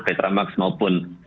petra max maupun